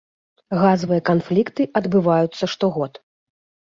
Газавыя канфлікты адбываюцца штогод.